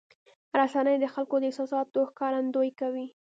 رسنۍ د خلکو د احساساتو ښکارندویي کوي.